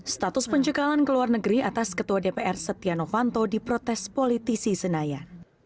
status pencegahan ke luar negeri atas ketua dpr setia novanto di protes politisi senayan